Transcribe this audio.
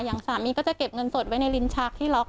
อย่างสามีก็จะเก็บเงินสดไว้ในลิ้นชักที่ล็อก